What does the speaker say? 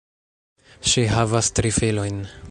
Ŝi havas tri filojn.